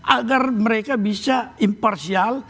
agar mereka bisa imparsial